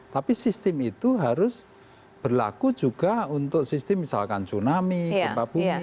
tapi sistem itu harus berlaku juga untuk sistem misalkan tsunami gempa bumi